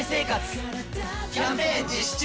キャンペーン実施中！